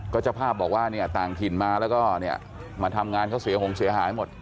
ก็เจ้าภาพบอกว่าเนี่ยต่างถิ่นมาแล้วก็เนี่ยมาทำงานเขาเสียหงเสียหายหมด